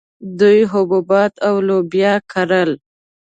دوی حبوبات او لوبیا کرل